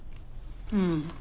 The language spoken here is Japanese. うん。